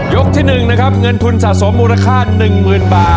ยกที่หนึ่งนะครับเงินทุนสะสมมูลค่าหนึ่งหมื่นบาท